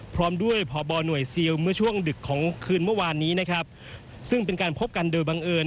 พร้อมด้วยพบหน่วยซิลเมื่อช่วงดึกของคืนเมื่อวานนี้นะครับซึ่งเป็นการพบกันโดยบังเอิญ